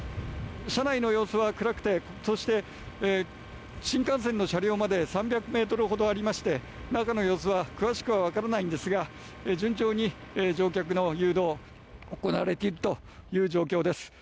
車内の様子は暗くて新幹線の車両まで３００ｍほどありまして中の様子は詳しくは分からないんですが順調に乗客の誘導が行われているという状況です。